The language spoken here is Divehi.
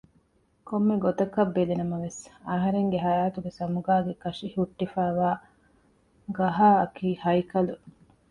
ކޮންމެ ގޮތަކަށް ބެލިނަމަވެސް އަހަރެންގެ ހަޔާތުގެ ސަމުގާގެ ކަށި ހުއްޓިފައިވާ ގަހާއަކީ ހައިކަލު